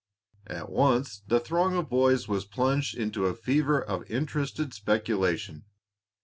At once the throng of boys was plunged into a fever of interested speculation.